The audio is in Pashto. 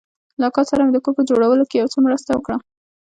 له اکا سره مې د کور په جوړولو کښې يو څه مرسته وکړه.